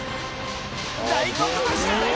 ［大黒柱だよ